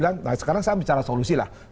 nah sekarang saya bicara solusi lah